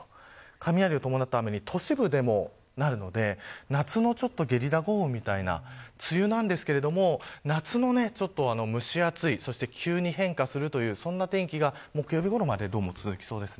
雷を伴った雨に都市部でもなるので夏のゲリラ豪雨みたいな梅雨なんですけれども夏の蒸し暑いそして急に変化するというそんな天気が木曜日ごろまで続きそうです。